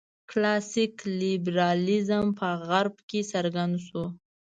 کلاسیک لېبرالېزم په غرب کې راڅرګند شو.